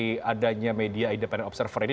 dari adanya media independent observer ini